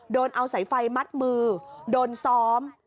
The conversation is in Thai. โดนเอาสายไฟมัดมือโดนซ้อม